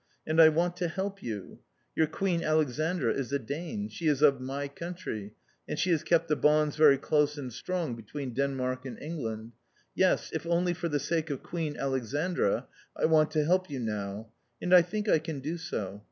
And I want to help you. Your Queen Alexandra is a Dane. She is of my country, and she has kept the bonds very close and strong between Denmark and England. Yes, if only for the sake of Queen Alexandra I want to help you now. And I think I can do so.